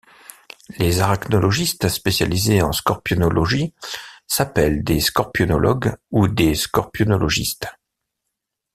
Les arachnologistes spécialisés en scorpionologie s'appellent des scorpionologues, ou des scorpionologistes.